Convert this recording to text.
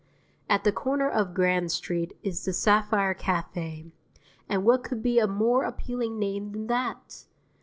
At the corner of Grand Street is the Sapphire Café, and what could be a more appealing name than that?